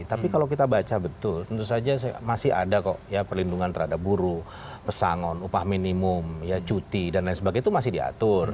tapi kalau kita baca betul tentu saja masih ada kok ya perlindungan terhadap buruh pesangon upah minimum cuti dan lain sebagainya itu masih diatur